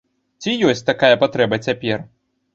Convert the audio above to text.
Ці ёсць такая патрэба цяпер?